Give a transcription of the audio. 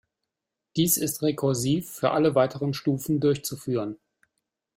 Dies ist rekursiv für alle weiteren Stufen durchzuführen.